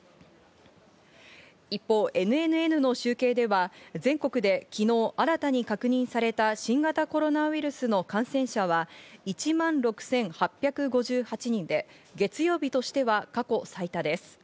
一方、ＮＮＮの集計では全国で昨日新たに確認された新型コロナウイルスの感染者は１万６８５８人で、月曜日としては過去最多です。